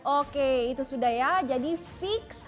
oke itu sudah ya jadi fix